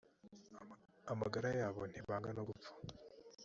amagara yabo ntibanga no gupfa